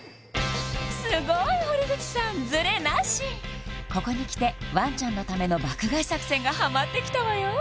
すごーい堀口さんズレなしここにきてワンちゃんのための爆買い作戦がハマってきたわよ